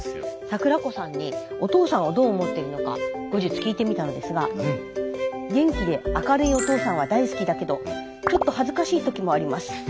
桜心さんにお父さんをどう思ってるのか後日聞いてみたんですが元気で明るいお父さんは大好きだけどちょっと恥ずかしいときもあります。